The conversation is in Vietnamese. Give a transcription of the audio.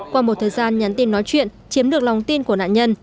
qua một thời gian nhắn tin nói chuyện chiếm được lòng tin của nạn nhân